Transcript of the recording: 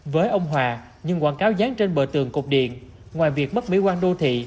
với ông hòa những quảng cáo dán trên bờ tường cột điện ngoài việc mất mỹ quan đô thị